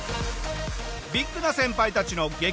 ビッグな先輩たちの激